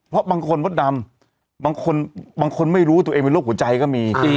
เพราะบางคนมัดดำบางคนไม่รู้ตัวเองมีโรคหัวใจก็มี